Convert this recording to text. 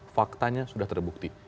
faktanya sudah terbukti